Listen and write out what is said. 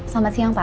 selamat siang pak